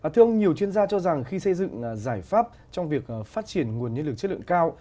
thưa ông nhiều chuyên gia cho rằng khi xây dựng giải pháp trong việc phát triển nguồn nhân lực chất lượng cao